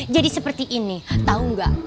jadi seperti ini tau gak